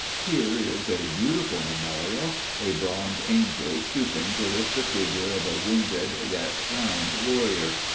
Here is a beautiful memorial a bronze angel stooping to lift the figure of a wounded yet crowned warrior.